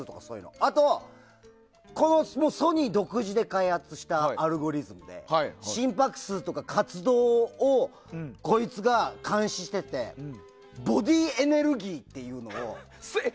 あと、これもソニー独自で開発したアルゴリズムで心拍数とか活動をこいつが監視しててボディーエネルギーというのを。